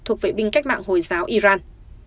thuộc vệ binh cách mạng hồi giáo iran